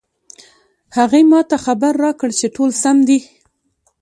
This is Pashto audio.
هغې ما ته خبر راکړ چې ټول سم دي